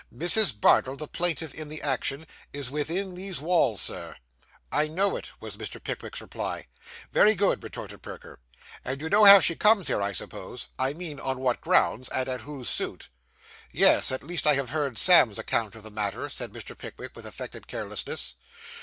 'Mrs. Bardell, the plaintiff in the action, is within these walls, Sir.' 'I know it,' was Mr. Pickwick's reply. 'Very good,' retorted Perker. 'And you know how she comes here, I suppose; I mean on what grounds, and at whose suit?' 'Yes; at least I have heard Sam's account of the matter,' said Mr. Pickwick, with affected carelessness.